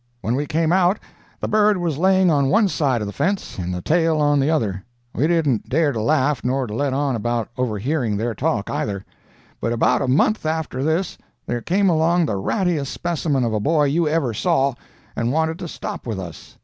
When we came out, the bird was laying on one side of the fence and the tail on the other. We didn't dare to laugh nor to let on about overhearing their talk either. But about a month after this there came along the rattiest specimen of a boy you ever saw, and wanted to stop with us.